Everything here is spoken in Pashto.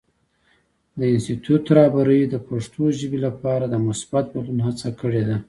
د انسټیټوت رهبرۍ د پښتو ژبې لپاره د مثبت بدلون هڅه کړې ده.